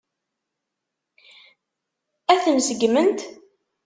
Ad ten-seggment?